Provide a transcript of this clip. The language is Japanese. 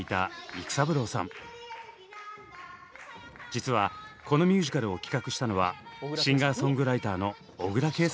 実はこのミュージカルを企画したのはシンガーソングライターの小椋佳さんでした。